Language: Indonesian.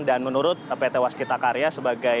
dan menurut pt waskitakarya sebagai